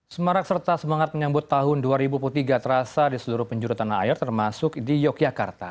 semarak serta semangat menyambut tahun dua ribu tiga terasa di seluruh penjuru tanah air termasuk di yogyakarta